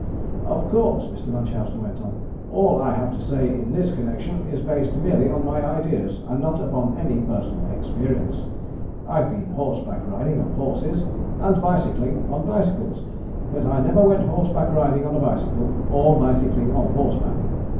"Of course," Mr. Munchausen went on, "all I have to say in this connection is based merely on my ideas, and not upon any personal experience. I've been horse back riding on horses, and bicycling on bicycles, but I never went horse back riding on a bicycle, or bicycling on horseback.